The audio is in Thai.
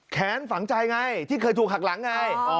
ฝังใจไงที่เคยถูกหักหลังไง